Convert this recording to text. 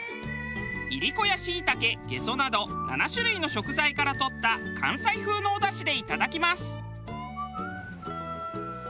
いりこやシイタケゲソなど７種類の食材からとった関西風のおだしでいただきます。